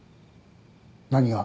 何が？